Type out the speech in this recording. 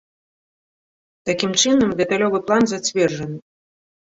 Такім чынам, дэталёвы план зацверджаны.